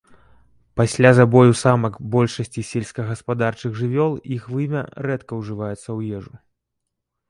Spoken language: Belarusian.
Пасля забою самак большасці сельскагаспадарчых жывёл іх вымя рэдка ўжываецца ў ежу.